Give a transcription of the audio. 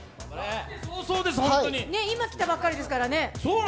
今来たばっかりですからね。